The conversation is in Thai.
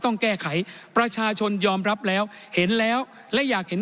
ต้องแก้ไขประชาชนยอมรับแล้วเห็นแล้วและอยากเห็น